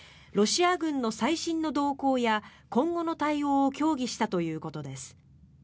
ロシア軍の最新の動向や今後の対応を協議したということです。